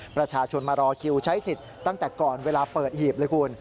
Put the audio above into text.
ประชาชนมารอคิวใช้สิทธิ์ตั้งแต่ก่อนเวลาเปิดหีบเลยคุณ